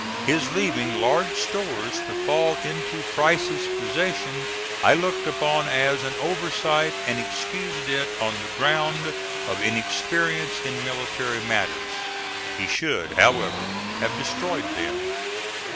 His leaving large stores to fall into Price's possession I looked upon as an oversight and excused it on the ground of inexperience in military matters. He should, however, have destroyed them.